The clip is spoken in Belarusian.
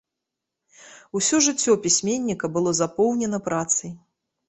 Усё жыццё пісьменніка было запоўнена працай.